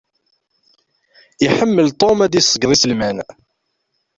Iḥemmel Tom ad d-iṣeyyed iselman.